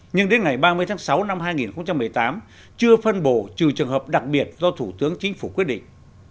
nhưng đến ngày ba mươi tháng sáu năm hai nghìn một mươi tám chưa phân bổ trừ trường hợp đặc biệt do thủ tướng chính phủ quyết định